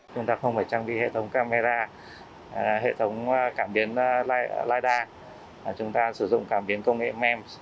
chúng ta không phải trang bị hệ thống camera hệ thống cảm biến lidar chúng ta sử dụng cảm biến công nghệ mems